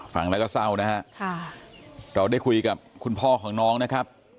ฟังแล้วก็เศร้านะฮะเราได้คุยกับคุณพ่อของน้องนะครับ